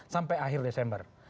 sampai akhir desember